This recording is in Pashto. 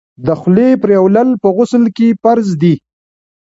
د خولې پریولل په غسل کي فرض دي.